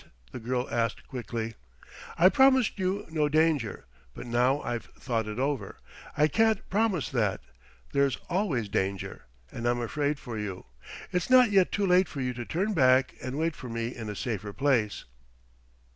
the girl asked quickly. "I promised you no danger; but now I've thought it over, I can't promise that: there's always danger. And I'm afraid for you. It's not yet too late for you to turn back and wait for me in a safer place."